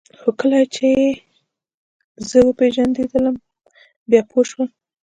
خو کله یې چې زه وپېژندلم بیا پوه شول